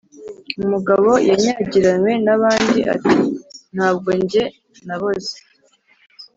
Umugabo yanyagiranywe n’abandi ,ati ntabwo njye naboze